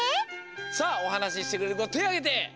さあおはなししてくれるこてをあげて！